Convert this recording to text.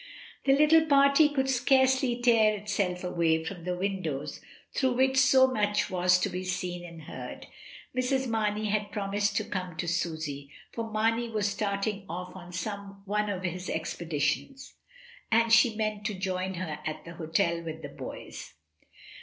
The little party could scarcely tear itself away from the windows through which so much was to be seen and heard. Mrs. Mamey had promised to come to Susy, for Mamey was starting off on some one of his expeditions, and she meant to join her at the hotel with the boys.